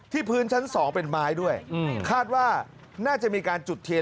พื้นชั้น๒เป็นไม้ด้วยคาดว่าน่าจะมีการจุดเทียน